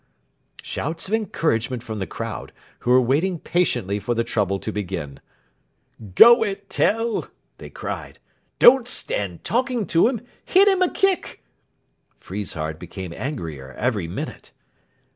Shouts of encouragement from the crowd, who were waiting patiently for the trouble to begin. "Go it, Tell!" they cried. "Don't stand talking to him. Hit him a kick!" Friesshardt became angrier every minute.